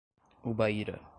Ubaíra